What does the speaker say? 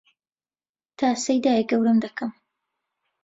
تاسەی دایەگەورەم دەکەم